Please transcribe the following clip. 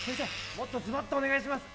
もっとズバッとお願いします